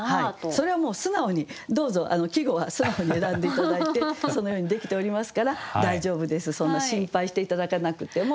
それはもう素直にどうぞ季語は素直に選んで頂いてそのようにできておりますから大丈夫ですそんな心配して頂かなくても。